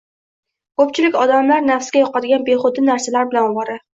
ko‘pchilik odamlar nafsga yoqadigan behuda narsalar bilan ovora